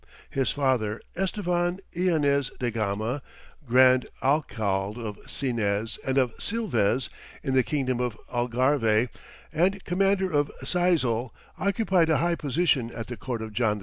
His father, Estevam Eanez da Gama, grand alcalde of Sinès and of Silvès, in the kingdom of Algarve, and commander of Seizal, occupied a high position at the court of John II.